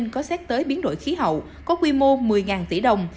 có xét tới biến đổi khí hậu có quy mô một mươi tỷ đồng